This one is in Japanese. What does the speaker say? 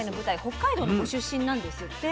北海道のご出身なんですって。